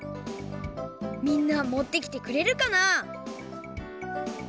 みんな持ってきてくれるかな？